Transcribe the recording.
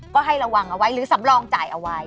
ก็ให้ระวังเอาไว้หรือสำรองจ่ายเอาไว้